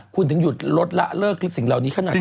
คุณถึงหยุดลดละเลิกที่สิ่งเหล่านี้ขนาดนั้น